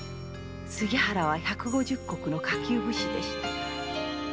杉原は百五十石の下級武士でした。